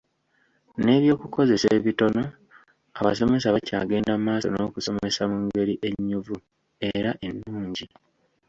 N'ebyokukozesa ebitono, abasomesa bakyagenda mu maaso n'okusomesa mu ngeri ennyuvu era ennungi.